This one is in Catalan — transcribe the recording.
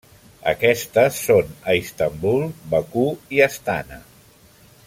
Aquestes són a Istanbul, Bakú i Astana.